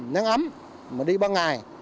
nắng ấm mà đi ba ngày